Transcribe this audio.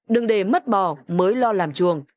đừng để mất bò mới lo làm chuồng